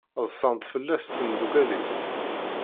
Ḍsant fell-as temdukal-is.